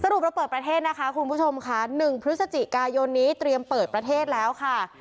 รุปเราเปิดประเทศนะคะคุณผู้ชมค่ะ๑พฤศจิกายนนี้เตรียมเปิดประเทศแล้วค่ะ